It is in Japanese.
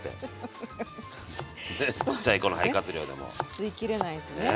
吸いきれないとね